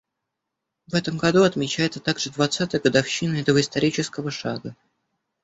В этом году отмечается также двадцатая годовщина этого исторического шага.